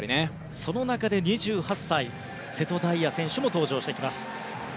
その中で２８歳瀬戸大也選手も登場してきます。